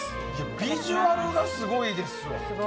ビジュアルがすごいですわ。